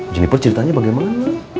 jeniper ceritanya bagaimana